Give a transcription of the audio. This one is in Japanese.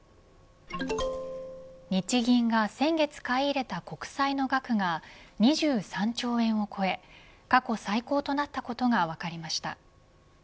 日銀が先月買い入れた国債の額が２３兆円を超え過去最高となったことが分かりました。